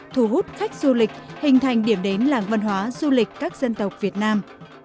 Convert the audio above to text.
thu hút khách du lịch hình thành điểm đến làng văn hóa du lịch các dân tộc việt nam